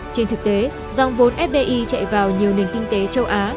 trên thực tế dòng vốn fdi chạy vào nhiều nền kinh tế châu á